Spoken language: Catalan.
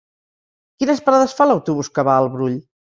Quines parades fa l'autobús que va al Brull?